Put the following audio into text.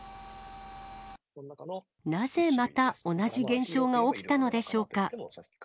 なぜまた、同じ現象が起きたのでしょうか。